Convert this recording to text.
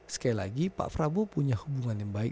sekali lagi pak prabowo punya hubungan yang baik